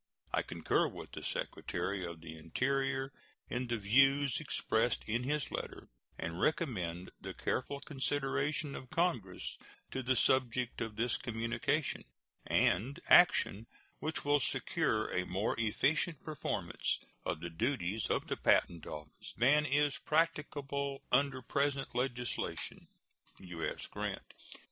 I concur with the Secretary of the Interior in the views expressed in his letter, and recommend the careful consideration of Congress to the subject of this communication, and action which will secure a more efficient performance of the duties of the Patent Office than is practicable under present legislation. U.S. GRANT.